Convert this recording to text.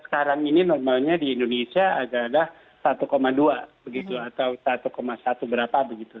sekarang ini normalnya di indonesia adalah satu dua begitu atau satu satu berapa begitu